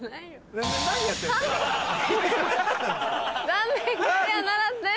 残念クリアならずです。